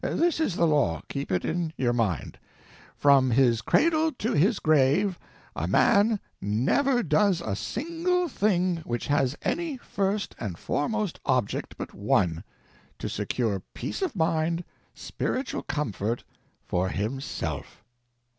This is the law, keep it in your mind. From his cradle to his grave a man never does a single thing which has any FIRST AND FOREMOST object but one—to secure peace of mind, spiritual comfort, for HIMSELF.